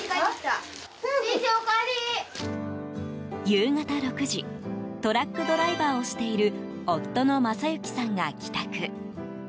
夕方６時トラックドライバーをしている夫の正幸さんが帰宅。